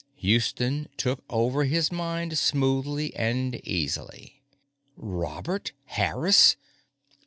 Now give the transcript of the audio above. Houston took over his mind smoothly and easily. _Robert Harris!